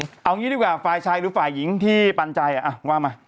เอาอย่างงี้ดีกว่าฟ่ายชายหรือฝ่ายหญิงที่ปัญจัยอ่ะว่ามา